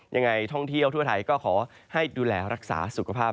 ยังไงท่องเที่ยวทั่วไทยก็ขอให้ดูแลรักษาสุขภาพ